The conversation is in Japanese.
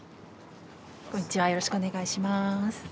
こんにちはよろしくお願いします。